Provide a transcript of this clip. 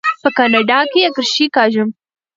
په کاناډا کې اکرښې کاږم.